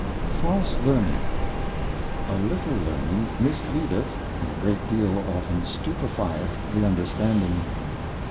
False Learning. A Little Learning misleadeth, and a great deal often stupi fieth the Understanding.